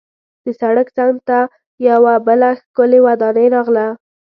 د سړک څنګ ته یوه بله ښکلې ودانۍ راغله.